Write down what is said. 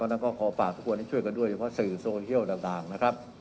นั้นก็ขอฝากทุกคนให้ช่วยกันด้วยเฉพาะสื่อโซเชียลต่างนะครับ